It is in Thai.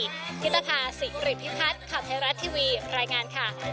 ฤทธาภาษีกริภิพัฒน์ข่าวไทยรัฐทีวีรายงาน